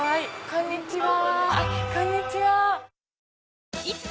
こんにちは！